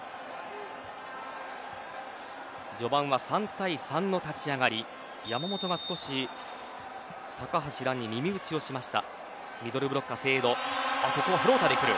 序盤は３対３の立ち上がり山本が少し高橋藍に耳打ちをしました。